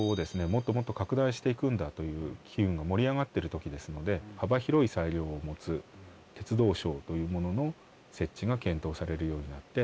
もっともっと拡大していくんだという機運が盛り上がってる時ですので幅広い裁量を持つ鉄道省というものの設置が検討されるようになって。